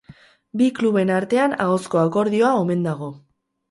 Bi kluben artean ahozko akordioa omen dago.